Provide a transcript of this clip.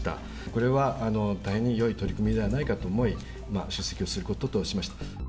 これは大変によい取り組みではないかと思い、出席をすることとしました。